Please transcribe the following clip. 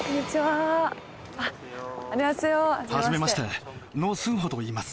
はじめましてノ・スンホといいます。